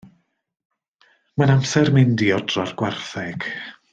Mae'n amser mynd i odro'r gwartheg.